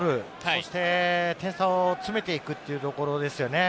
そして点差を詰めていくというところですよね。